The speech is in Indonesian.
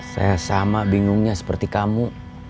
saya sama bingungnya seperti kamu